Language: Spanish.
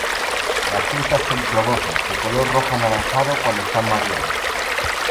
Las frutas subglobosas, de color rojo anaranjado cuando están maduras.